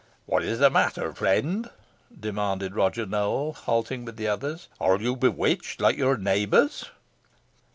"What is the matter, friend?" demanded Roger Nowell, halting with the others. "Are you bewitched, like your neighbours?"